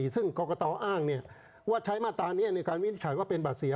ซึ่งกรกตอ้างว่าใช้มาตรานี้ในการวินิจฉัยว่าเป็นบัตรเสีย